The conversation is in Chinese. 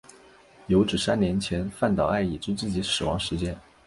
有指三年前饭岛爱已知自己的死亡时间。